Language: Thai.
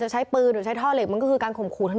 ช่าอย่า